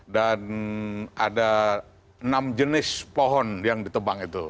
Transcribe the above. dan ada enam jenis pohon yang ditebang itu